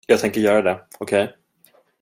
Jag tänker göra det, okej?